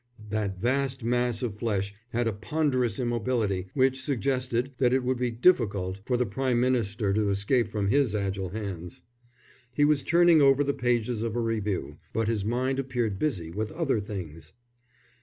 That vast mass of flesh had a ponderous immobility which suggested that it would be difficult for the Prime Minister to escape from his agile hands. He was turning over the pages of a review, but his mind appeared busy with other things.